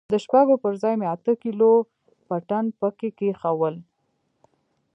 د شپږو پر ځاى مې اته کيلو پټن پکښې کښېښوول.